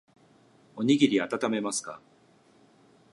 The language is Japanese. おにぎりあたためますか。